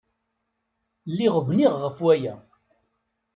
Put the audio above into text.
Lliɣ bniɣ ɣef waya!